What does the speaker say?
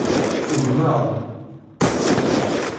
Ugmeɣ-d.